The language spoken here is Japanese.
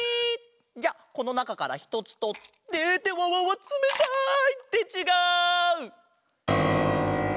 じゃあこのなかからひとつとってってわわわつめたい！ってちがう！